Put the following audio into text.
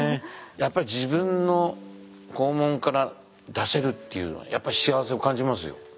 やっぱり自分の肛門から出せるっていうのはやっぱり幸せを感じますよ。